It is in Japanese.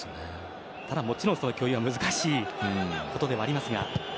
ただ、もちろんその共有は難しいことではありますが。